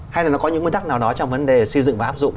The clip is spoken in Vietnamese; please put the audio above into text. hay là nó có những nguyên tắc nào đó trong vấn đề xây dựng và áp dụng